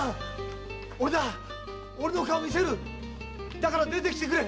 だから出てきてくれ。